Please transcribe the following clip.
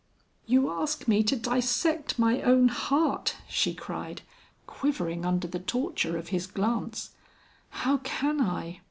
"You ask me to dissect my own heart!" she cried, quivering under the torture of his glance; "how can I?